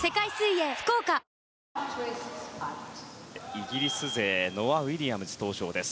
イギリス勢ノア・ウィリアムズ登場です。